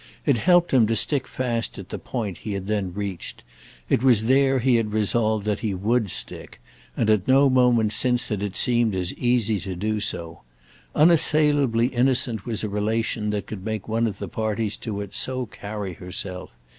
It helped him to stick fast at the point he had then reached; it was there he had resolved that he would stick, and at no moment since had it seemed as easy to do so. Unassailably innocent was a relation that could make one of the parties to it so carry herself.